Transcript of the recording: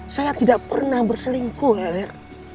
saya tidak pernah berselingkuh